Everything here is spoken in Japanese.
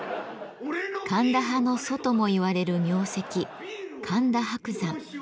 神田派の祖とも言われる名跡神田伯山。